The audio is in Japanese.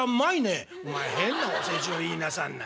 「お前変なお世辞を言いなさんな」。